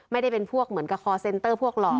ไม่ได้เป็นพวกเหมือนกับคอร์เซ็นเตอร์พวกหล่อ